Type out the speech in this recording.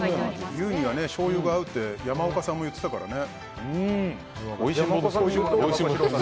牛には、しょうゆが合うって山岡さんも言ってたからね。